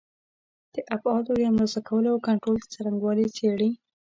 د ابعادو د اندازه کولو او کنټرول څرنګوالي څېړي.